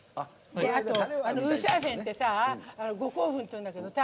あとウーシャンフェンって五香粉っていうんだけどさ